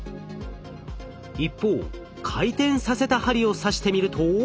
一方回転させた針を刺してみると。